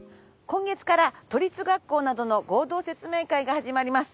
今月から都立学校などの合同説明会が始まります。